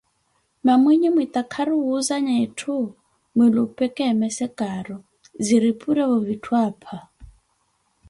Mamuinyi mwitakaru wuuzanya etthu mwilupee keemese caaro, ziri purevo vitthu apha.